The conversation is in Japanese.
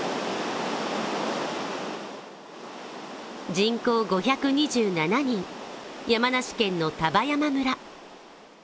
人口５２７人、山梨県の丹波山村。